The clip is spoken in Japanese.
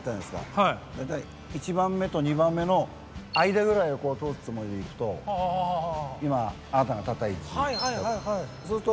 大体１番目と２番目の間ぐらいを通すつもりでいくと今あなたが立った位置だと。